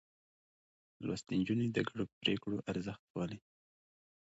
لوستې نجونې د ګډو پرېکړو ارزښت پالي.